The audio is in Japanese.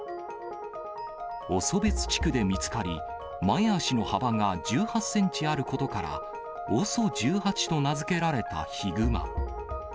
オソベツ地区で見つかり、前足の幅が１８センチあることから、ＯＳＯ１８と名付けられたヒグマ。